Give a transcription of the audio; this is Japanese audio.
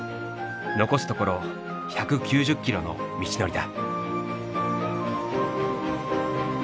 残すところ１９０キロの道のりだ。